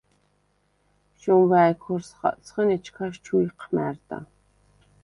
შომვა̄̈ჲ ქორს ხაწხჷნ, ეჩქას ჩუ იჴმა̈რდა.